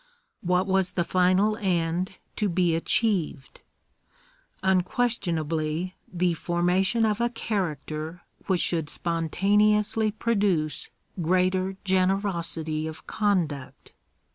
What was the final end to be achieved ? Unquestionably the form ation of a character which should spontaneously produce greater generosity of conduct.